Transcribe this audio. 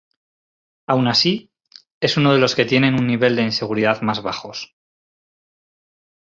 Aun así, es uno de los que tienen un nivel de inseguridad más bajos.